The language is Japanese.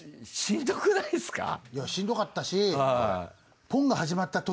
しんどかったし。